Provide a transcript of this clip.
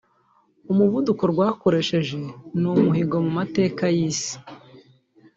umuvuduko rwakoresheje ni umuhigo mu mateka y’isi